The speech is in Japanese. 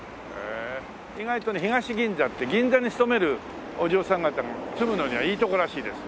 意外とね東銀座って銀座に勤めるお嬢さん方が住むのにはいいとこらしいです。